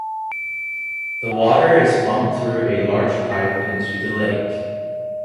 The water is pumped through a large pipe into the lake.